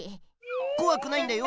こわくないんだよ